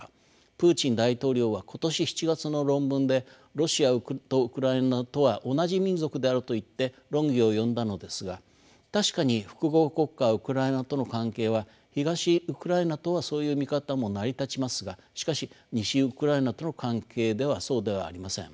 プ−チン大統領は今年７月の論文で「ロシアとウクライナとは同じ民族である」と言って論議を呼んだのですが確かに複合国家ウクライナとの関係は東ウクライナとはそういう見方も成り立ちますがしかし西ウクライナとの関係ではそうではありません。